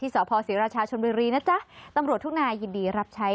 สผศิรชชนบริรีนะจ๊ะตำหลวดทุกนายินดีรับใช้